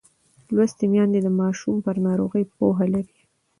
لوستې میندې د ماشوم پر ناروغۍ پوهه لري.